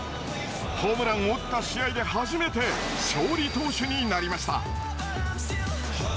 ホームランを打った試合で初めて勝利投手になりました。